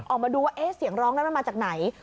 ออกมาดูว่าเสียงร้องนั้นมันมาจากไหน